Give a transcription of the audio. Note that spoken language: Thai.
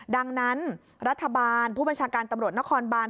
ดังนั้นรัฐบาลผู้บัญชาการตำรวจนครบาน